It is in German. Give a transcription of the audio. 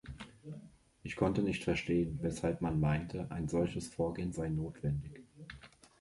Ich konnte nicht verstehen, weshalb man meinte, ein solches Vorgehen sei notwendig.